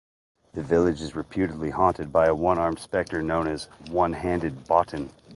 The village is reputedly haunted by a one-armed spectre, known as One-handed Boughton.